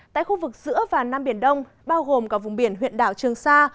tại khu vực giữa và nam biển đông bao gồm cả vùng biển huyện đảo trường sa